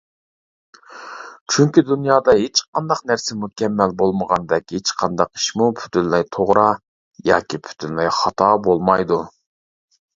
چۈنكى دۇنيادا ھېچقانداق نەرسە مۇكەممەل بولمىغاندەك ،ھېچقانداق ئىشمۇ پۈتۈنلەي توغرا ياكى پۈتۈنلەي خاتا بولمايدۇ.